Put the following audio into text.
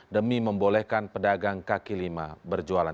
demi membolehkan pedagang kaki lima berjualan